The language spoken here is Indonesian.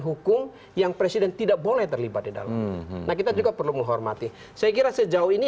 hukum yang presiden tidak boleh terlibat di dalam nah kita juga perlu menghormati saya kira sejauh ini